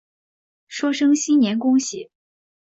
说声新年恭喜